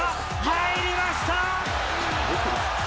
入りました！